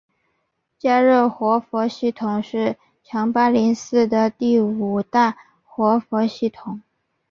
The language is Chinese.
嘉热活佛系统是强巴林寺的第五大活佛系统。